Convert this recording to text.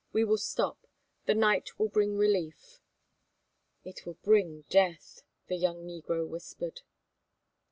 We will stop. The night will bring relief." "It will bring death," the young negro whispered.